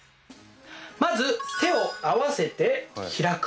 まず手を合わせて開く。